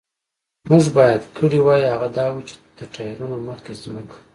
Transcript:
موږ باید کړي وای، هغه دا و، چې د ټایرونو مخکې ځمکه.